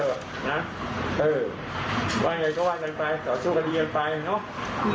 เออว่าไงก็ว่ากันไปต่อสู้คดีกันไปเนอะ